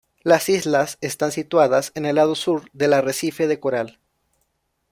Las islas están situadas en el lado sur del arrecife de coral.